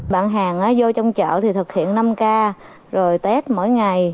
bạn hàng vô trong chợ thì thực hiện năm k rồi tết mỗi ngày